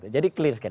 jadi clear sekali